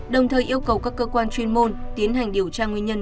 đồng thời yêu cầu các cơ quan chuyên môn tiến hành điều tra nguyên nhân